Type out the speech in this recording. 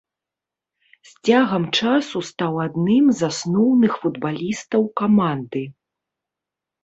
З цягам часу стаў адным з асноўных футбалістаў каманды.